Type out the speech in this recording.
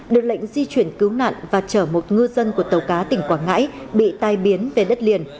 được lệnh di chuyển cứu nạn và chở một ngư dân của tàu cá tỉnh quảng ngãi bị tai biến về đất liền